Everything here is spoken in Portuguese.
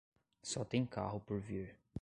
Só tem carro por vir